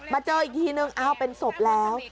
มาเจออีกทีหนึ่งเอ้าเป็นศพแล้ว